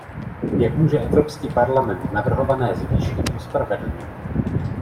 Jak může Evropský parlament navrhované zvýšení ospravedlnit?